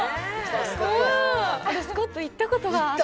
私、スコット、行ったことがある。